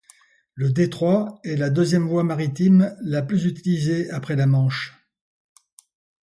Le détroit est la deuxième voie maritime la plus utilisée après la Manche.